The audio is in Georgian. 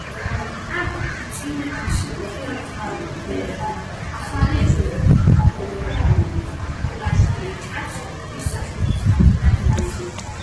აქ უწინ არსებობდა ტავერნა „ახალი ჰოლანდია“, ჩანს, უბნის სახელიც აქედან მოდის.